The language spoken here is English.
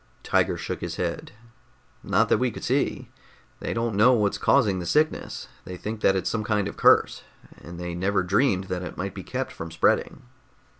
Tiger shook his head. "Not that we could see. They don't know what's causing this sickness. They think that it's some kind of curse, and they never dreamed that it might be kept from spreading."